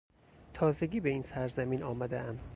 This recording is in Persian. تازگی به این سرزمین آمدهام.